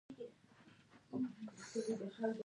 آیا پښتون د خپلې ازادۍ ساتونکی نه دی؟